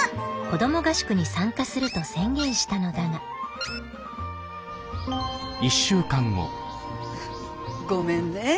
子ども合宿に参加すると宣言したのだがごめんね